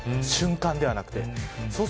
瞬間ではなくて。